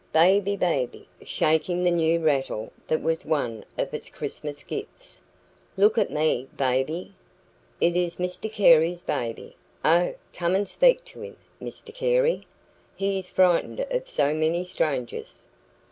"Baby! Baby!" shaking the new rattle that was one of its Christmas gifts "look at me, baby! It is Mr Carey's baby. Oh, come and speak to him, Mr Carey! He is frightened of so many strangers."